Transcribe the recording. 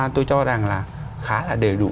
tôi cho rằng là khá là đầy đủ